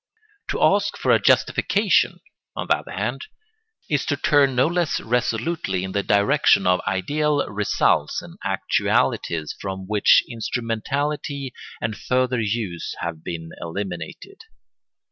To ask for a justification, on the other hand, is to turn no less resolutely in the direction of ideal results and actualities from which instrumentality and further use have been eliminated.